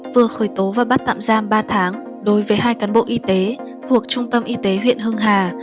vừa khởi tố và bắt tạm giam ba tháng đối với hai cán bộ y tế thuộc trung tâm y tế huyện hưng hà